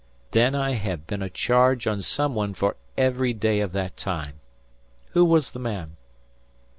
"Then I have been a charge on some one for every day of that time. Who was the man?"